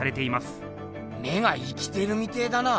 目が生きてるみてえだな。